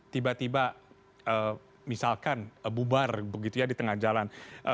tiba tiba misalkan bubar begitu ya di tengah jalan